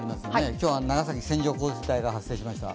今日は長崎、線状降水帯が発生しました。